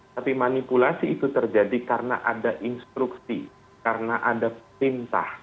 tapi manipulasi itu terjadi karena ada instruksi karena ada perintah